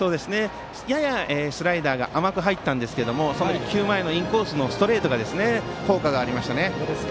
ややスライダーが甘く入ったんですけどもその１球前のストレートが効果がありましたね。